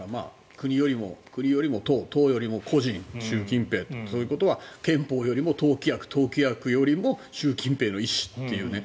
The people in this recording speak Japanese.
国よりも党党よりも個人、習近平とそういうことは憲法よりも党規約党規約よりも習近平の意思という。